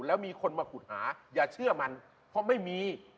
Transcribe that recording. แล้วมีคนมาขุดหาอย่าเชื่อมันเพราะไม่มี